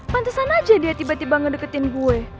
pantesan aja dia tiba tiba ngedeketin gue